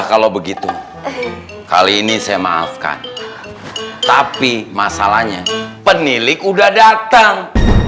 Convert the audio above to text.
kalau begitu kali ini saya maafkan tapi masalahnya penilik udah datang